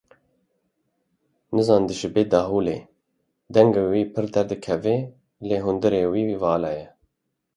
Nezan dişibe daholê, dengê wî pir derdikeve lê hundirê wî vala ye.